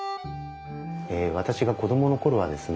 私が子供の頃はですね